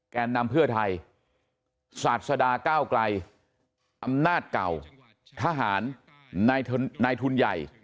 แกนนำเพื่อไทยศาสดาก้าวไกลอำนาจเก่าทหารนายทุนใหญ่